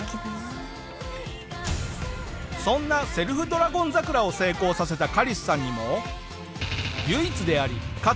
そんなセルフ『ドラゴン桜』を成功させたカリスさんにも。